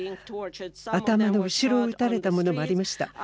頭の後ろを撃たれたものもありました。